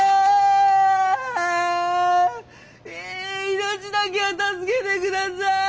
命だけは助けて下さい！